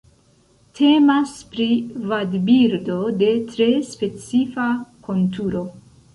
Temas pri vadbirdo de tre specifa konturo.